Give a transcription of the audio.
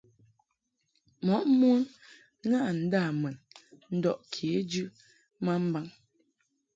Mɔʼ mon ŋaʼɨ ndâmun ndɔʼ kejɨ ma mbaŋ.